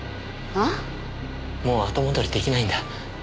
もう後戻り出来ないんだ。